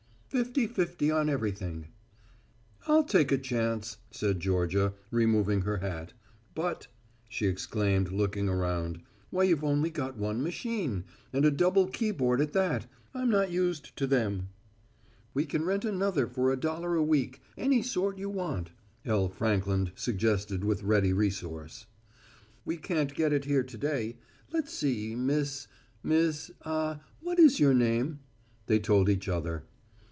"Fifty fifty on everything." "I'll take a chance," said Georgia, removing her hat. "But," she exclaimed, looking around, "why you've only got one machine and a double keyboard at that. I'm not used to them." "We can rent another for a dollar a week any sort you want," L. Frankland suggested with ready resource. "We can't get it here to day. Let's see, Miss, Miss ah what is your name?" They told each other.